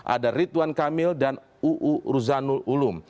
ada ridwan kamil dan uu ruzanul ulum